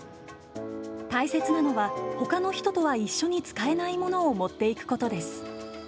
大切なのは、ほかの人とは一緒に使えないものを持っていくことです。